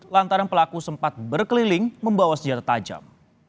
lantaran pelaku sempat berkeliling membawa senjata tajam